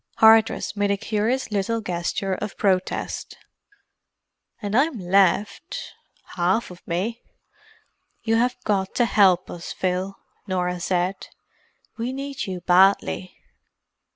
Hardress made a curious little gesture of protest. "And I'm left—half of me!" "You have got to help us, Phil," Norah said. "We need you badly."